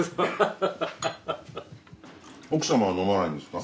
奥様は飲まないんですか？